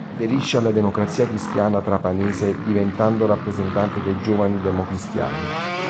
Aderisce alla Democrazia Cristiana trapanese diventando rappresentante dei giovani democristiani.